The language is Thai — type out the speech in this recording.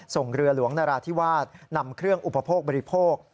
ส่งเรือหลวงนราธิวาสนำเครื่องอุปโภคบริโภค